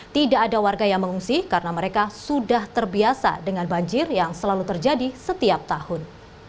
tidak ada warga yang mengungsi karena mereka sudah terbiasa dengan banjir yang selalu terjadi setiap tahun